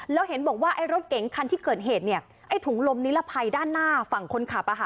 แล้วเห็นบอกว่ารถเก๋งคันที่เกิดเหตุถุงลมนิรภัยด้านหน้าฝั่งคนขับ